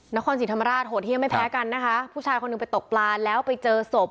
นครศรีธรรมราชโหดเยี่ยมไม่แพ้กันนะคะผู้ชายคนหนึ่งไปตกปลาแล้วไปเจอศพ